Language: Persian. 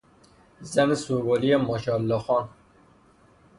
زن سوگلی ماشاالله خان